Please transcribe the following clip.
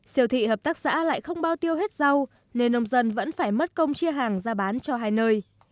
siêu thị hợp tác xã lại không bao tiêu hết rau nên nông dân vẫn phải mất công chia hàng ra bán cho hai nơi